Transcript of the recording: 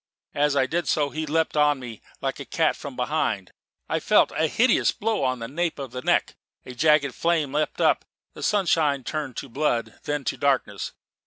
As I did so, he leapt on me like a cat from behind. I felt a hideous blow on the nape of the neck: a jagged flame leapt up: the sunshine turned to blood then to darkness.